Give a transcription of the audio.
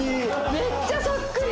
めっちゃそっくり！